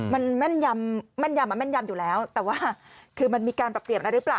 มันแม่นยำแม่นยำแม่นยำอยู่แล้วแต่ว่าคือมันมีการปรับเปลี่ยนอะไรหรือเปล่า